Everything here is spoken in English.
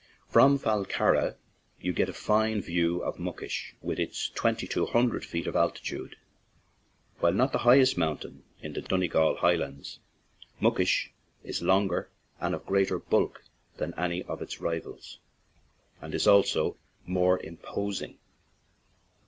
From Fallcarragh you get a fine view of Muckish, with its twenty two hundred 38 FALLCARRAGH TO GWEEDORE feet of altitude. While not the highest mountain in the Donegal highlands, Muck ish is longer and of greater bulk than any of its rivals, and is also more imposing.